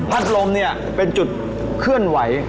พัดลมเป็นจุดเคลื่อนไหว